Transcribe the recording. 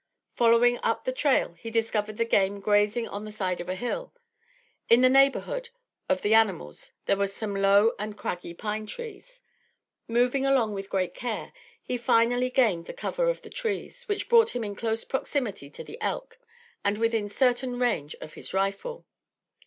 Following up the trail he discovered the game grazing on the side of a hill. In the neighborhood of the animals there were some low and craggy pine trees. Moving along with great care, he finally gained the cover of the trees, which brought him in close proximity to the elk, and within certain range of his rifle.